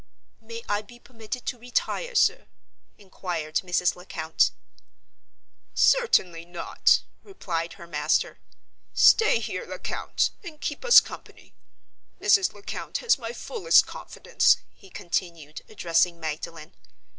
"May I be permitted to retire, sir?" inquired Mrs. Lecount. "Certainly not!" replied her master. "Stay here, Lecount, and keep us company. Mrs. Lecount has my fullest confidence," he continued, addressing Magdalen.